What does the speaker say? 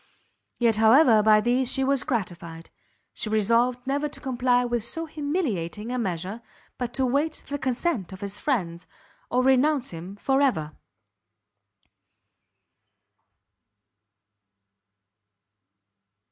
Yet however by these she was gratified, she resolved never to comply with so humiliating a measure, but to wait the consent of his friends, or renounce him for ever.